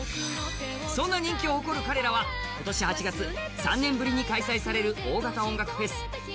そんな人気を誇る彼らは今年８月３年ぶりに開催される大型音楽フェス